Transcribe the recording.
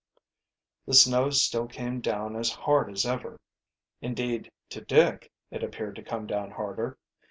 The snow still came down as hard as ever indeed, to Dick it appeared to come down harder.